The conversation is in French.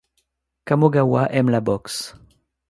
Kamogawa aime la boxe.